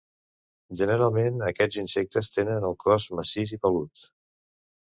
Generalment aquests insectes tenen el cos massís i pelut.